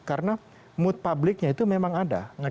karena mood publiknya itu memang ada